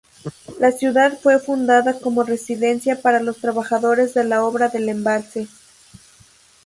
La ciudad fue fundada como residencia para los trabajadores de la obra del embalse.